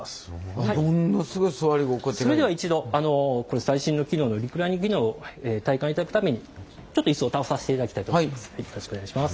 それでは一度あの最新の機能のリクライニング機能を体感いただくためにちょっとイスを倒させていただきたいと思います。